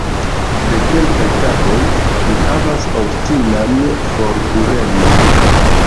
De kelkaj tagoj, vi havas obstinan forkuremon.